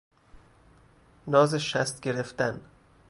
نازشست گرفتن